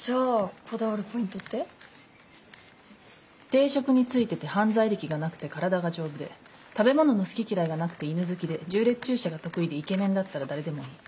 定職についてて犯罪歴がなくて体が丈夫で食べ物の好き嫌いがなくて犬好きで縦列駐車が得意でイケメンだったら誰でもいい。